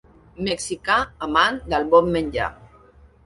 Mexicà amant del bon menjar.